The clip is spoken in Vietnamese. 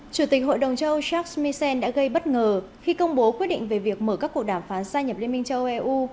chủ tịch hội đồng châu âu charles misen đã gây bất ngờ khi công bố quyết định về việc mở các cuộc đàm phán gia nhập liên minh châu âu eu